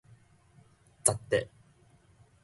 齪得